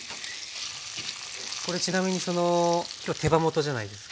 これちなみにその今日手羽元じゃないですか。